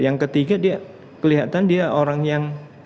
yang ketiga dia kelihatan dia orang yang